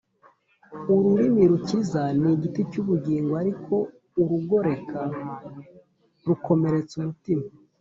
ururimi rukiza ni igiti cy’ubugingo, ariko urugoreka rukomeretsa umutima